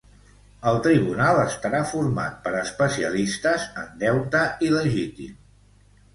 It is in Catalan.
El tribunal estarà format per especialistes en deute il·legítim.